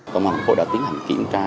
công an thành phố đã tiến hành kiểm tra